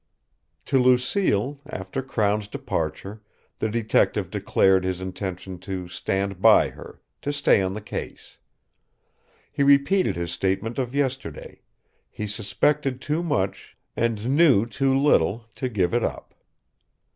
To Lucille, after Crown's departure, the detective declared his intention to "stand by" her, to stay on the case. He repeated his statement of yesterday: he suspected too much, and knew too little, to give it up.